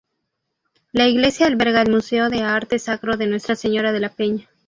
La iglesia alberga el Museo de Arte Sacro de Nuestra Señora de la Peña.